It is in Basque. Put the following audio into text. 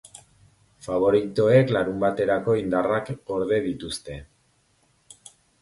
Faboritoek larunbaterako indarrak gorde dituzte.